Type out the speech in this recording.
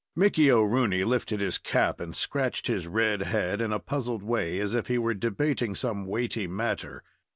Mickey O'Rooney lifted his cap, and scratched his red head in a puzzled way, as if he were debating some weighty matter.